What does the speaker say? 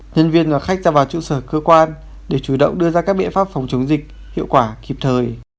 nhân viên và khách ra vào trụ sở cơ quan để chủ động đưa ra các biện pháp phòng chống dịch hiệu quả kịp thời